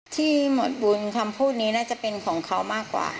ที่หมดบุญคำพูดนี้น่าจะเป็นของเขามากกว่า